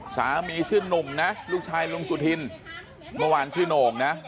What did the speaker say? สามีชื่อนุ่มนะลูกชายลุงสุธินเมื่อวานชื่อโหน่งนะ